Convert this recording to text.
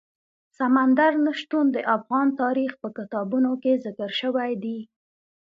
سمندر نه شتون د افغان تاریخ په کتابونو کې ذکر شوی دي.